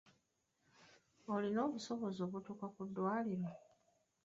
Olina obusobozi obutuuka ku ddwaliro?